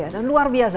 dan luar biasa